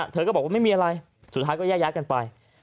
เธอก็บอกว่าไม่มีอะไรสุดท้ายก็แยกย้ายกันไป